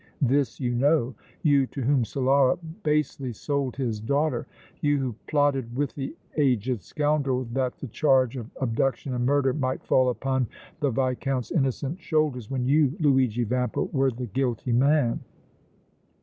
This you know! you to whom Solara basely sold his daughter! you who plotted with the aged scoundrel that the charge of abduction and murder might fall upon the Viscount's innocent shoulders when you, Luigi Vampa, were the guilty man!"